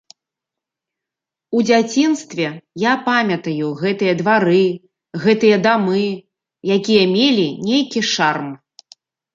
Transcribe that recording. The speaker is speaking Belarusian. У дзяцінстве я памятаю гэтыя двары, гэтыя дамы, якія мелі нейкі шарм.